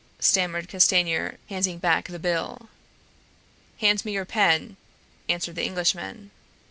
stammered Castanier, handing back the bill. "Hand me your pen," answered the Englishman.